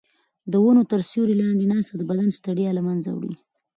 د ونو تر سیوري لاندې ناسته د بدن ستړیا له منځه وړي.